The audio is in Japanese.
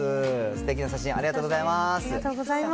すてきな写真、ありがとうございました。